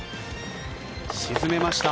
沈めました。